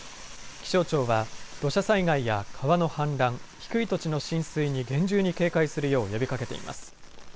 気象庁は土砂災害や川の氾濫、低い土地の浸水に厳重に警戒するよう呼びかけています。